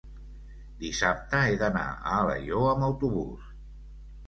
Dissabte he d'anar a Alaior amb autobús.